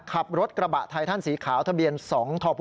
ขับรถกระบะไททันสีขาวทะเบียน๒ทพ